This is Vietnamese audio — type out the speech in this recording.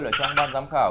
là trong ban giám khảo